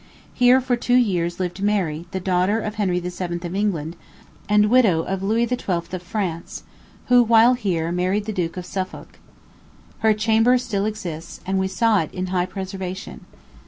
Here for two years lived Mary, the daughter of Henry VII. of England, and widow of Louis XII. of France, who, while here, married the Duke of Suffolk. Her chamber still exists, and we saw it in high preservation.